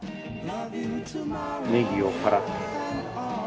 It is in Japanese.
ネギをパラッと。